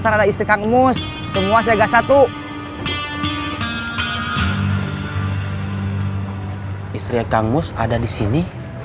aprendisi yang beradanya dengan keteringo yang akhir akhir ini